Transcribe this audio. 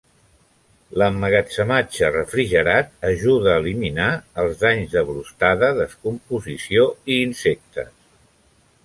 L'emmagatzematge refrigerat ajuda a eliminar els danys de brostada, descomposició i insectes.